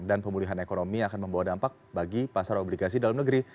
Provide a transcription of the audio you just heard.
dan pemulihan ekonomi akan membawa dampak bagi pasar obligasi dalam negeri